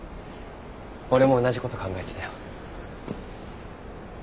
俺も同じこと考えてたよ。